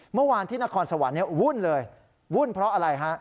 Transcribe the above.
เมื่อวานที่นครสวรรค์เนี่ยวุ่นเลยวุ่นเพราะอะไรฮะ